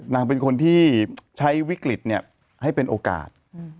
นางเป็นคนที่ใช้วิกฤตให้เป็นโอกาส